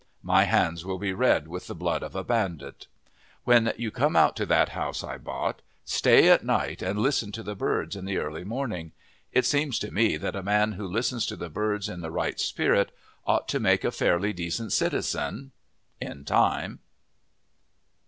My hands will be red with the blood of a bandit. When you come out to That House I Bought, stay all night and listen to the birds in the early morning. It seems to me that a man who listens to the birds in the right spirit ought to make a fairly decent citizen, in time.